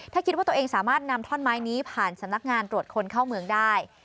ถ้าคิดว่าตัวเองสามารถนำท่อนไม้นี้ผ่านสำนักงานตรวจคนเข้าเมืองได้